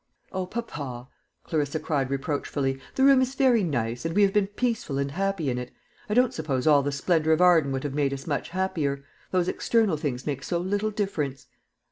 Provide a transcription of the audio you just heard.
"O, papa," Clarissa cried reproachfully, "the room is very nice, and we have been peaceful and happy in it. I don't suppose all the splendour of Arden would have made us much happier. Those external things make so little difference."